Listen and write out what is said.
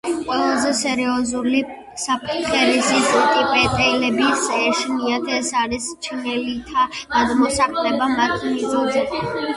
ყველაზე სერიოზული საფრთხე, რისიც ტიბეტელებს ეშინიათ ეს არის ჩინელთა გადმოსახლება მათ მიწაზე.